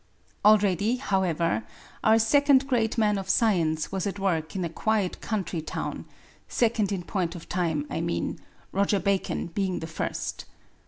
Already, however, our second great man of science was at work in a quiet country town second in point of time, I mean, Roger Bacon being the first.